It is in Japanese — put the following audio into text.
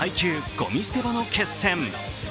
ゴミ捨て場の決戦」。